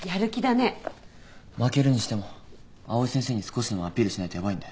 負けるにしても藍井先生に少しでもアピールしないとヤバいんで。